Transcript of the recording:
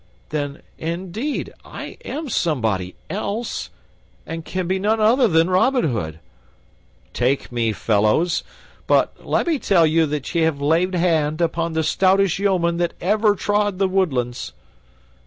"Then, indeed, I am somebody else, and can be none other than Robin Hood. Take me, fellows; but let me tell you that ye ha' laid hand upon the stoutest yeoman that ever trod the woodlands."